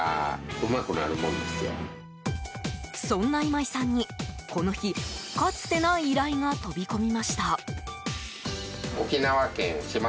そんな今井さんに、この日かつてない依頼が飛び込みました。